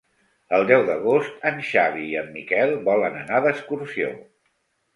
El deu d'agost en Xavi i en Miquel volen anar d'excursió.